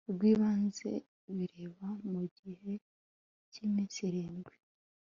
rw ibanze bireba mu gihe cy iminsi irindwi